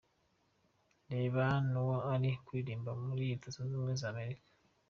Reba Noah ari kuririmba muri Leta Zunze Ubumwe za Amerika:.